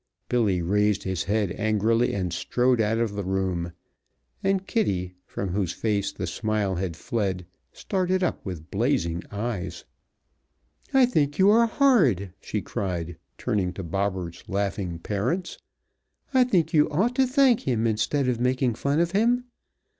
Billy raised his head angrily and strode out of the room, and Kitty, from whose face the smile had fled, started up with blazing eyes. "I think you are horrid!" she cried, turning to Bobberts' laughing parents. "I think you ought to thank him instead of making fun of him.